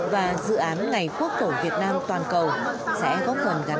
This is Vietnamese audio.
và dự án ngày quốc tổ việt nam toàn bộ